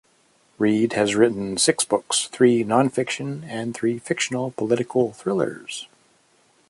Reed has written six books; three non-fiction and three fictional political thrillers.